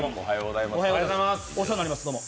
お世話になります、どうも。